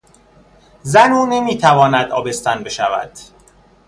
زن او نمیتواند آبستن بشود.